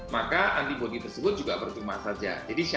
maka antibody tersebut juga percuma saja